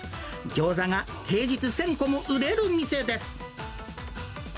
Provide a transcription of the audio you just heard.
ギョーザが平日１０００個も売れる店です。